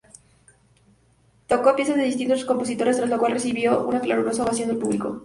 Tocó piezas de distintos compositores, tras lo cual recibió una calurosa ovación del público.